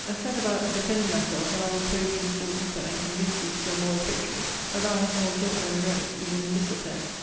Set about defending myself, and I will probe thee still deeper, and convince thee still more effectually, that thou hast more guilt than merit even in this affair.